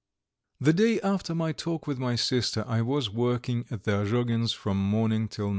The day after my talk with my sister, I was working at the Azhogins' from morning till night.